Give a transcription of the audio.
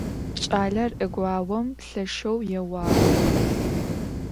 Ç'aler 'eguaom lheşşeu yêuağ.